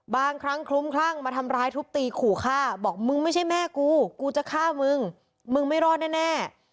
บางครั้งคลุ้มคลั่งมาทำร้ายทุบตีขู่ฆ่าบอกมึงไม่ใช่แม่กูกูจะฆ่ามึงมึงไม่รอดแน่